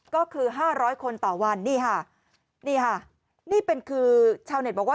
ก็คือ๕๐๐คนต่อวันนี่ค่ะนี่เป็นคือชาวเน็ตบอกว่า